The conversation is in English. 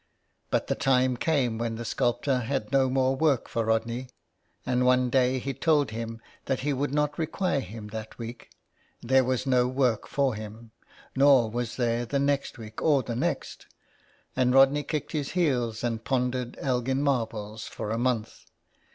But the time came when the sculptor had no more work for Rodney, and one day he told him that he would not require him that week, there was no work for him, nor was there the next week or the next, and Rodney kicked his heels and pondered Elgin marbles for a month.